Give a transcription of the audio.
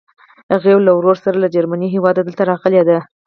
هغې ویل له ورور سره له جرمني هېواده دلته راغلې ده.